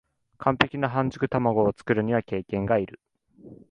完璧な半熟たまごを作るには経験がいる